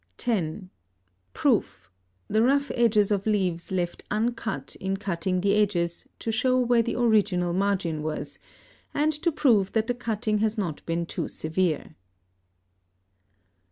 (10) Proof, the rough edges of leaves left uncut in cutting the edges to show where the original margin was, and to prove that the cutting has not been too severe.